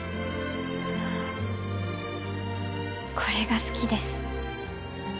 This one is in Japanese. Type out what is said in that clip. これが好きです